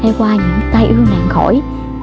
hay qua những tai ưu nạn khỏi